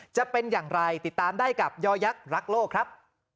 จะเป็นอย่างไรติดตามได้กับยอยักษ์รักโลกครับ